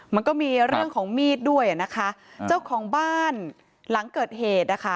มันก็มีเรื่องของมีดด้วยเจ้าของบ้านหลังเกิดเหตุ